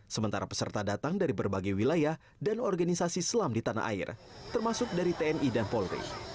sementara peserta datang dari berbagai wilayah dan organisasi selam di tanah air termasuk dari tni dan polri